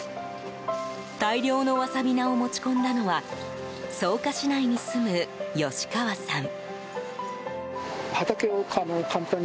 大量のワサビ菜を持ち込んだのは草加市内に住む吉川さん。